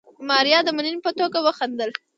ماريا د مننې په توګه وخندل.